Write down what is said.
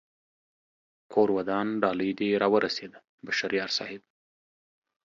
کور ودان ډالۍ دې را و رسېده بشر یار صاحب